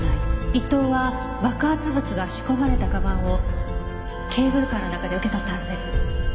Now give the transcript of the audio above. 伊藤は爆発物が仕込まれた鞄をケーブルカーの中で受け取ったはずです。